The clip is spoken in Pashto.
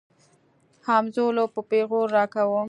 همزولو به پيغور راکاوه.